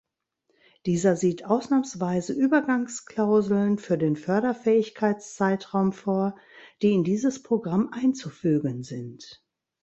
Dieser sieht ausnahmsweise Übergangsklauseln für den Förderfähigkeitszeitraum vor, die in dieses Programm einzufügen sind.